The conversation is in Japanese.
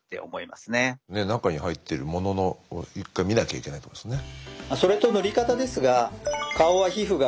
中に入ってるものの一回見なきゃいけないってことですね。